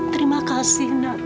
terima kasih nak